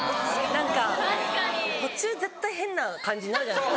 ・確かに・途中絶対変な感じになるじゃないですか。